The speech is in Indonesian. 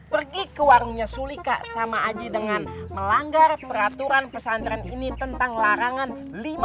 pergi ke warungnya sulika sama aji dengan melanggar peraturan pesantren ini tentang larangan